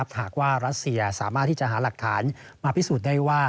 หากว่ารัสเซียสามารถที่จะหาหลักฐานมาพิสูจน์ได้ว่า